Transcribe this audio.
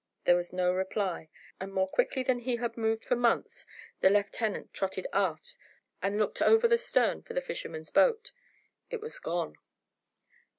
There was no reply, and more quickly than he had moved for months, the lieutenant trotted aft, and looked over the stern for the fisherman's boat. It was gone.